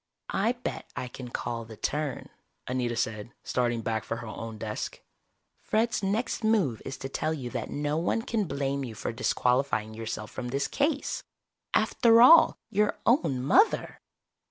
"I bet I can call the turn," Anita said, starting back for her own desk. "Fred's next move is to tell you that no one can blame you for disqualifying yourself from this case. After all, your own mother!"